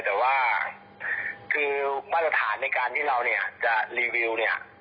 แต่ว่าคือมาตรฐานในการที่เราเนี่ยจะรีวิวเนี่ย